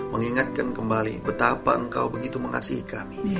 mengingatkan kembali betapa engkau begitu mengasihi kami